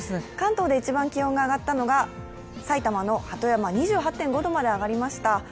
関東で一番気温が上がったのが、埼玉の鳩山、２８．５度まで上がりました。